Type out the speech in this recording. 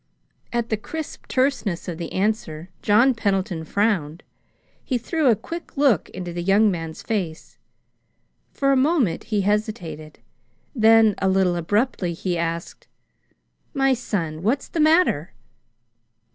At the crisp terseness of the answer, John Pendleton frowned. He threw a quick look into the young man's face. For a moment he hesitated; then, a little abruptly, he asked: "Why, son, what's the matter?"